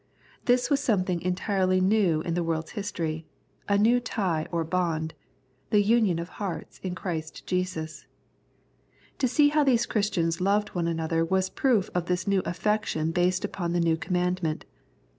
This was something entirely new in the world's history — a new tie or bond, the union of hearts in Christ Jesus. To see how these Christians loved one another was a proof of this new affection based upon the new com mandment.